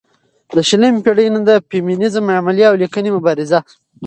له شلمې پېړۍ نه د فيمينزم عملي او ليکنۍ مبارزه